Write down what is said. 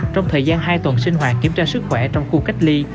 trong thời gian hai tuần sinh hoạt kiểm tra sức khỏe trong khu cách ly